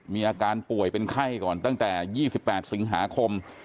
มีอาการป่วยเป็นไข้ก่อนตั้งแต่๒๘สิงหาคม